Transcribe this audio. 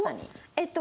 えっと